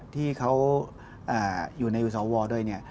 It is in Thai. ที่เขาอยู่ในวัยสวทธิ์ว้อด้วย